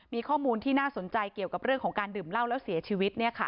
มีข้อมูลที่น่าสนใจเกี่ยวกับเรื่องของการดื่มเหล้าแล้วเสียชีวิต